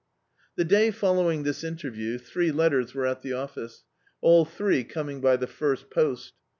The day following this interview, three letters were at the office, all three coming by the first post.